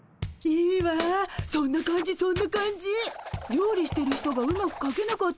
料理してる人がうまくかけなかったの。